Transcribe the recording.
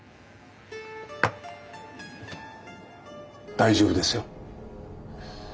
大丈夫ですよ。